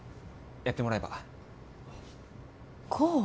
やってもらえば功？